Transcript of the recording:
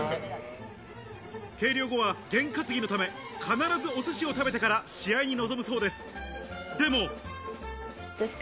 計量後はげんかつぎのため、必ずお寿司を食べてから試合に臨むそうです。